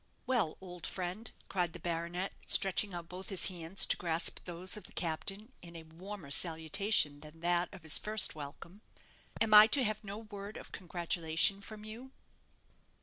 "Well, old friend," cried the baronet, stretching out both his hands to grasp those of the captain in a warmer salutation than that of his first welcome, "am I to have no word of congratulation from you?"